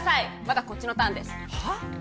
まだこっちのターンですはっ？